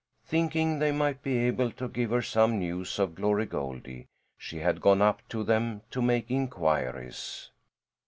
Thinking they might be able to give her some news of Glory Goldie, she had gone up to them to make inquiries.